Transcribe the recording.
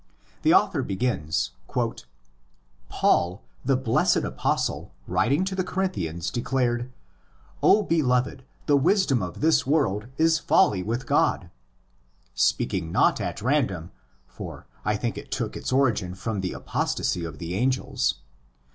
'' Paul, the blessed Apostle," the author begins, '' writing to the Corin thians, declared, 'O beloved, the wisdom of this world is folly with God'; speaking not at random: for'I think it took its origin from the apostasy of the angels.